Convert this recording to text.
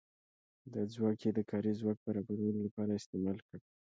دا ځواک یې د کاري ځواک برابرولو لپاره استعمال کړ.